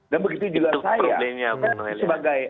dia sebagai inteleksualnya dia punya tanggung jawab